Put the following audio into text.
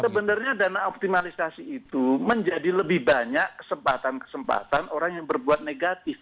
sebenarnya dana optimalisasi itu menjadi lebih banyak kesempatan kesempatan orang yang berbuat negatif